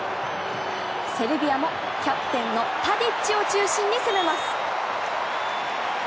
セルビアもキャプテンのタディッチを中心に攻めます。